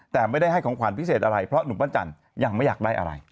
แต่ไม่ได้ให้ของขวัญพิเศษอะไรเพราะหนุ่มปั้นจันทร์ยังไม่อยากได้อะไร